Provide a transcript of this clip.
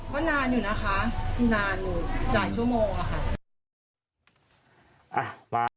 ก็นานอยู่นะคะนานเลยหลายชั่วโมงอะค่ะ